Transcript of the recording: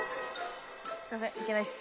すいませんいけないっす。